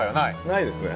ないですね。